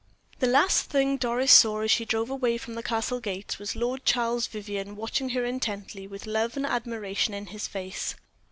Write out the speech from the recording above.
The last thing Doris saw, as she drove away from the Castle gates, was Lord Charles Vivianne watching her intently, with love and admiration in his face.